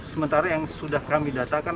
sementara yang sudah kami datakan